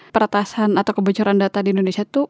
peratasan atau kebocoran data di indonesia tuh